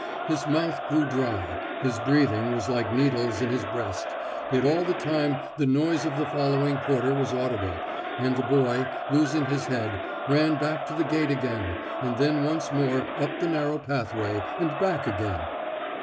His mouth grew dry, his breathing was like needles in his breast, yet all the time the noise of the following porter was audible, and the boy, losing his head, ran back to the gate again and then once more up the narrow pathway, and back again.